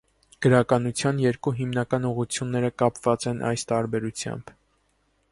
Գրականության երկու հիմնական ուղղությունները կապված են այս տարբերությամբ։